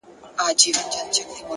اراده د وېرې دیوالونه ړنګوي.